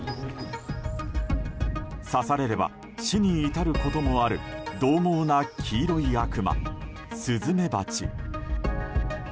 刺されれば死に至ることもある獰猛な黄色い悪魔、スズメバチ。